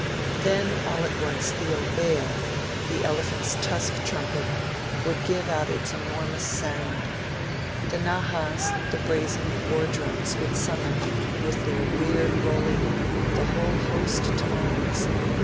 Then all at once the onbeia the elephant's tusk trumpet would give out its enormous sound. The nahas the brazen wardrums would summon, with their weird rolling, the whole host to arms.